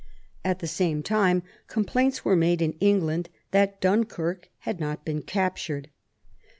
At the same time complaints were made in England that Dunkirk had not been captured.